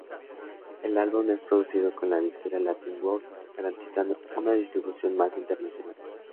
El álbum es producido con la disquera Latin World, garantizando una distribución más internacional.